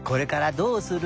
どうする？